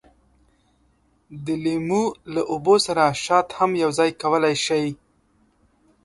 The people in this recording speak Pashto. د لیمو له اوبو سره شات هم یوځای کولای شئ.